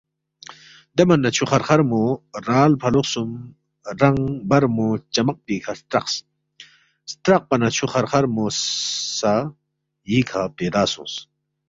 دے من نہ چھُو خرخرموے رال فلُو خسُوم رنگ برمو چمق پیکھہ سترقس ، سترقپا نہ چھُو خرخرمو سہ ییکھہ پیدا سونگس